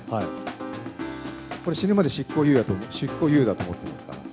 これ、死ぬまで執行猶予だと思ってますから。